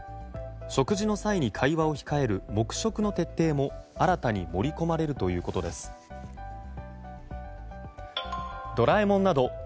食事の際に会話を控える黙食の徹底も新たに盛り込まれるということです。